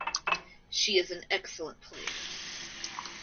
She is an excellent player.